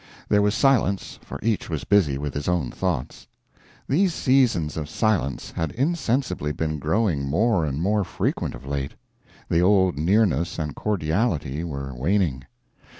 There was silence, for each was busy with his own thoughts. These seasons of silence had insensibly been growing more and more frequent of late; the old nearness and cordiality were waning.